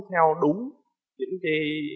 theo đúng những cái